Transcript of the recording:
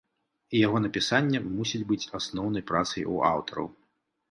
І яго напісанне мусіць быць асноўнай працай у аўтараў.